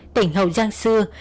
tỉnh hậu giang xưa